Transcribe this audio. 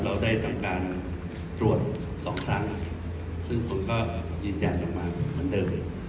เราได้ทำการตรวจสองครั้งซึ่งผมก็ยืนยันออกมาเหมือนเดิมเลย